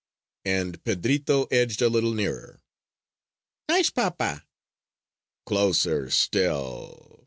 "] And Pedrito edged a little nearer: "Nice papa!" "Closer still!"